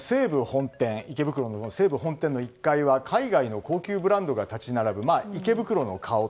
西武本店の１階は海外の高級ブランドが立ち並ぶ、池袋の顔。